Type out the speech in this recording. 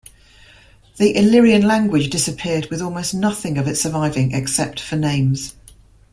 The Illyrian language disappeared, with almost nothing of it surviving, except for names.